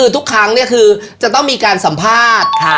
ถือต้องมีการสัมภาษณ์